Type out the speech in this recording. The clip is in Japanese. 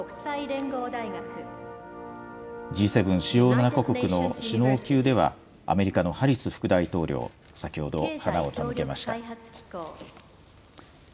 Ｇ７・主要７か国の首脳級では、アメリカのハリス副大統領、先ほど、花を手向けました。